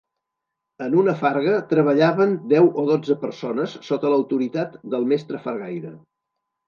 En una farga treballaven deu o dotze persones sota l’autoritat del mestre fargaire.